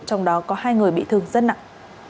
trong đó có hai người bị thương rất nặng